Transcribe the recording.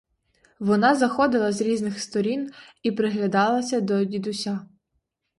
Вона заходила з різних сторін і приглядалася до дідуся.